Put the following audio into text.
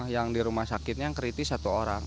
yang di rumah sakitnya yang kritis satu orang